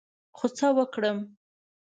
خو څه وکړم ؟